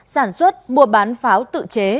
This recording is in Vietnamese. sản xuất mua bán pháo tự chế